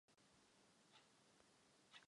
Tito zemědělci jsou v nejzoufalejší situaci.